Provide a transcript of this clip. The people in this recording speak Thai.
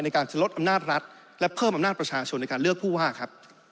ในการจะลดอำนาจรัฐและเพิ่มอำนาจประชาชนในการเลือกผู้ว่าครับ